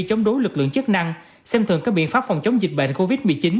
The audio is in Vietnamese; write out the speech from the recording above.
chống đối lực lượng chức năng xem thường các biện pháp phòng chống dịch bệnh covid một mươi chín